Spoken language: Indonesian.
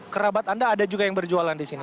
kerabat anda ada juga yang berjualan di sini